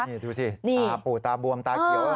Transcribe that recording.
นี่ดูสิตาปูตาบวมตาเขียว